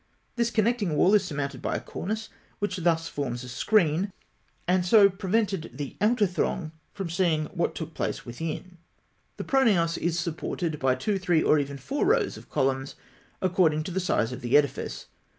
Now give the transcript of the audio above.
This connecting wall is surmounted by a cornice, which thus forms a screen, and so prevented the outer throng from seeing what took place within (fig. 82). The pronaos is supported by two, three, or even four rows of columns, according to the size of the edifice.